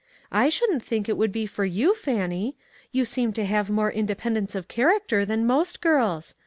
I shouldn't think it would be for you, Fan nie ; you seem to have more independence of character than most girls.